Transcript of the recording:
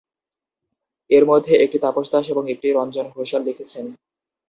এর মধ্যে একটি তাপস দাস এবং একটি রঞ্জন ঘোষাল লিখেছেন।